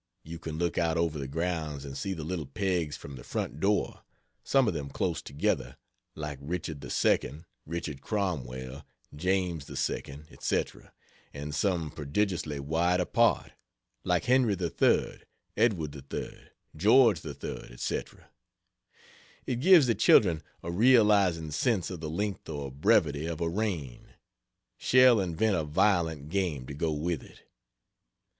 You can look out over the grounds and see the little pegs from the front door some of them close together, like Richard II, Richard Cromwell, James II, &c., and some prodigiously wide apart, like Henry III, Edward III, George III, &c. It gives the children a realizing sense of the length or brevity of a reign. Shall invent a violent game to go with it.